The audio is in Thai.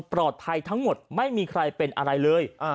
ปลอดภัยทั้งหมดไม่มีใครเป็นอะไรเลย